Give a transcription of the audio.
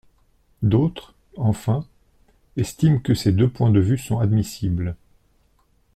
D’autres, enfin, estiment que ces deux points de vue sont admissibles.